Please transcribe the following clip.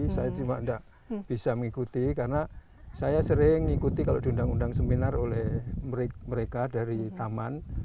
saya cuma tidak bisa mengikuti karena saya sering mengikuti kalau diundang undang seminar oleh mereka dari taman